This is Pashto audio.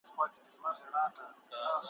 نه دوستي نه دښمني وي نه یاري وي نه ګوندي وي `